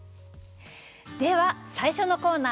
では最初のコーナー